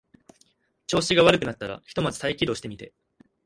調子が悪くなったらひとまず再起動してみて